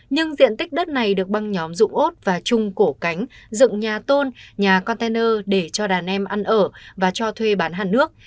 nhưng diện tích đất này được băng nhóm dụng ốt và chung cổ cánh dựng nhà tôn nhà container để cho đàn em ăn ở và cho thuê bán hàn nước